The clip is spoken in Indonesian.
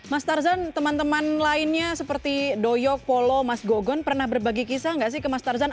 mas tarzan teman teman lainnya seperti doyok polo mas gogon pernah berbagi kisah nggak sih ke mas tarzan